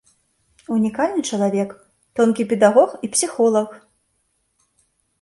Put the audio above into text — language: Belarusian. Унікальны чалавек, тонкі педагог і псіхолаг!